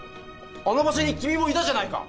あの場所に君もいたじゃないか。